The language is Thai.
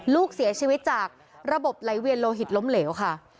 ลูกเสียชีวิตจากระบบไหลเวียนโลหิตล้มเหลวค่ะ